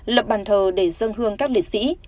lập bàn thờ để dân hương các liệt sĩ